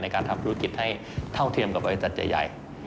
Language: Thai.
ในการทำธุรกิจให้เท่าเทียมกับประวัติศาสตร์ใจใหญ่